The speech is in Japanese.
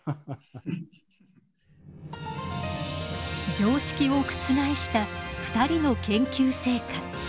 常識を覆した２人の研究成果。